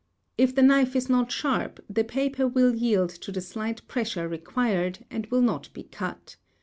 If the knife is not |42| sharp the paper will yield to the slight pressure required and will not be cut.